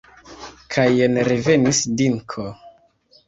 Kaj jen revenis Dinko.